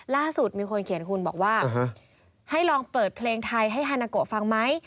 ล่าสุดมีคนเขียนคุณบอกว่าให้ลองเปิดเพลงไทยให้ฮานาโกะฟังไหม